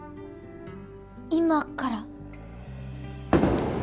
今から？